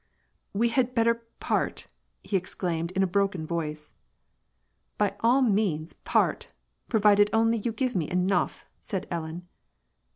" We had better part," he exclaimed in a broken voice. " By all means, part, provided only you give me enough," said Ellen.